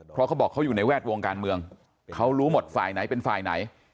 เพราะเขาบอกเขาอยู่ในแวดวงการเมืองเขารู้หมดฝ่ายไหนเป็นฝ่ายไหน